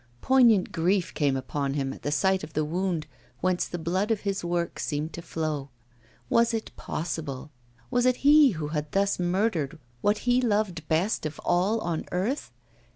Poignant grief came upon him at the sight of the wound whence the blood of his work seemed to flow. Was it possible? Was it he who had thus murdered what he loved best of all on earth?